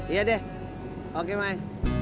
iya deh oke mai